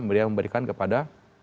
miriam memberikan kepada